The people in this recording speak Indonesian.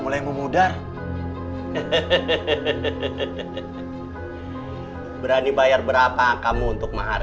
mulai memudar berani bayar berapa kamu untuk mahar